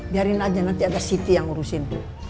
biarin aja nanti ada siti yang urusin